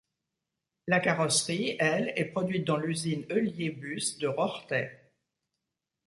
La carrosserie, elle est produite dans l'usine Heuliez Bus de Rorthais.